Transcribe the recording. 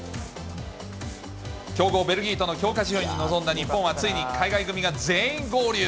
強豪ベルギーとの強化試合に臨んだ日本はついに海外組が全員合流。